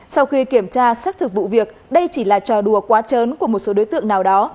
sau khi kiểm tra xác thực vụ việc đây chỉ là trò đùa quá chớn của một số đối tượng nào đó